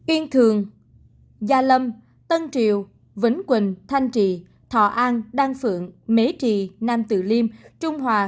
yên thường gia lâm tân triều vĩnh quỳnh thanh trì thọ an đan phượng mế trì nam từ liêm trung hòa